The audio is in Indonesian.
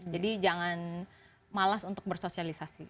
jadi jangan malas untuk bersosialisasi